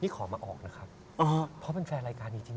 นี่ขอมาออกนะครับเพราะเป็นแฟร์รายการนี้จริง